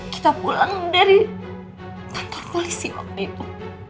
kita pulang dari kantor polisi waktu itu